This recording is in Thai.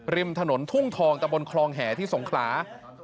ริมถนนทุ่งทองตะบนคลองแห่ที่สงขลา